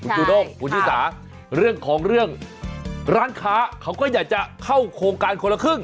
จูด้งคุณชิสาเรื่องของเรื่องร้านค้าเขาก็อยากจะเข้าโครงการคนละครึ่ง